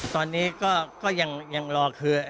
ตอนนี้ก็ยังรอคือ